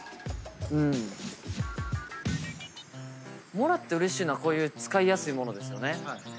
もらってうれしいのはこういう使いやすい物ですよね。